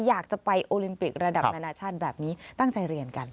อยากจะไปโอลิมปิกระดับนานาชาติแบบนี้ตั้งใจเรียนกัน